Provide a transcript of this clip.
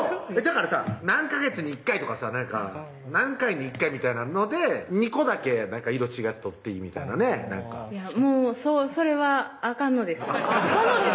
だからさ何ヵ月に１回とかさ何回に１回みたいなので２個だけ色違うやつ取っていいみたいなねなんかもうそれはあかんのですあかんの？